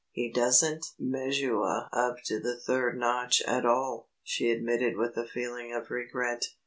"He doesn't measuah up to the third notch at all," she admitted with a feeling of regret.